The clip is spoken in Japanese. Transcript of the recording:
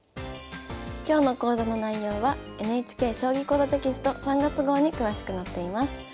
今日の講座の内容はＮＨＫ「将棋講座」テキスト３月号に詳しく載っています。